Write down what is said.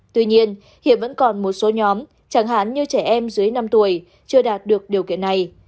tuy nhiên hiện vẫn còn một số nhóm chẳng hạn như trẻ em dưới năm tuổi chưa đạt được điều kiện này